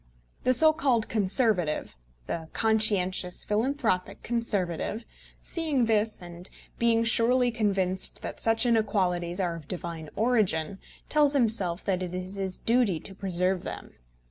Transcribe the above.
The so called Conservative, the conscientious philanthropic Conservative, seeing this, and being surely convinced that such inequalities are of divine origin, tells himself that it is his duty to preserve them.